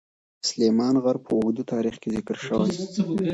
سلیمان غر په اوږده تاریخ کې ذکر شوی.